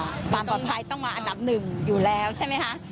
ความปลอดภัยต้องมาอันดับหนึ่งอยู่แล้วใช่ไหมคะ